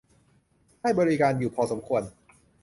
ให้บริการอยู่พอสมควร